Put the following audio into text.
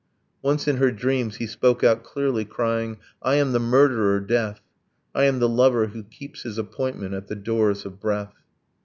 Once, in her dreams, he spoke out clearly, crying, 'I am the murderer, death. I am the lover who keeps his appointment At the doors of breath!'